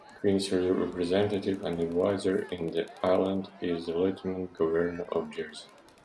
The Queen's representative and adviser in the island is the Lieutenant Governor of Jersey.